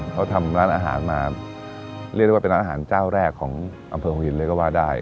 เขาทำร้านอาหารมาเรียกได้ว่าเป็นร้านอาหารเจ้าแรกของอำเภอหัวหินเลยก็ว่าได้